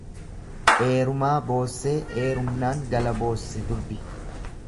Eerumaa boossee eerumnaan gala boosse durbi.